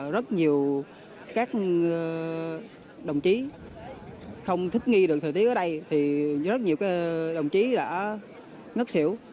rất nhiều các đồng chí không thích nghi được thời tiết ở đây thì rất nhiều đồng chí đã ngất xỉu